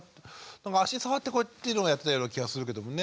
足触ってこうっていうのはやってたような気はするけどもね。